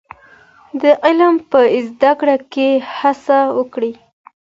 د علم په زده کړه کي هڅه وکړئ.